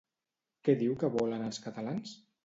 Què diu que volen els catalans?